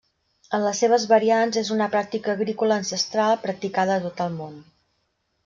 En les seves variants és una pràctica agrícola ancestral practicada a tot el món.